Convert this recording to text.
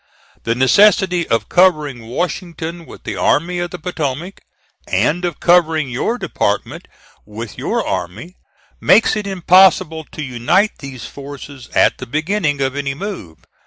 The necessity of covering Washington with the Army of the Potomac, and of covering your department with your army, makes it impossible to unite these forces at the beginning of any move.